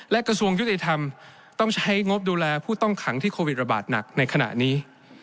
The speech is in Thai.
และกระทรวงยุติธรรมต้องใช้งบดูแลผู้ต้องขังที่โควิดระบาดหนักในขณะนี้